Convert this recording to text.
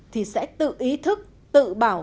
thì sẽ tự ý thức tự bảo